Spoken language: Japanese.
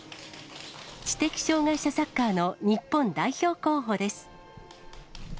知的障がい者サッカーの日本代表候補です。